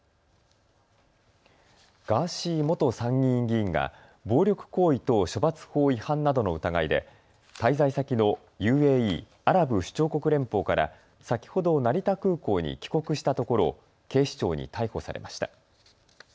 ガーシー元参議院議員が暴力行為等処罰法違反などの疑いで滞在先のＵＡＥ・アラブ首長国連邦から先ほど成田空港に帰国したところを警視庁に逮捕されました。